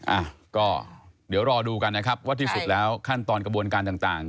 อ่ะก็เดี๋ยวรอดูกันนะครับว่าที่สุดแล้วขั้นตอนกระบวนการต่างต่าง